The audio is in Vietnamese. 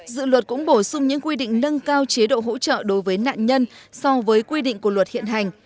dự luật cũng bổ sung những quy định nâng cao chế độ hỗ trợ đối với nạn nhân so với quy định của luật hiện hành